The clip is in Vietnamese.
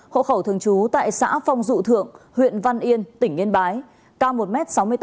hộ khẩu thường trú tại xã phong dụ thượng huyện văn yên tỉnh yên bái cao một m sáu mươi tám